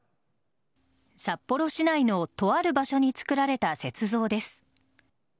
札幌市内のとある場所につくられた雪像です。